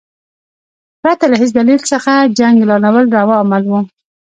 پرته له هیڅ دلیل څخه جنګ اعلانول روا عمل وو.